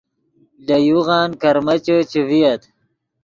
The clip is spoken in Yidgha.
لے یوغن کرمیچے چے ڤییت